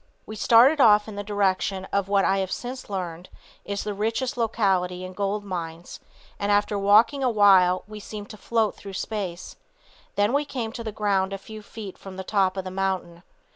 We started off in the direction of what I have since learned is the richest locality in gold mines and after walking a while we seemed to float through space; then we came to the ground a few feet from the top of the mountain.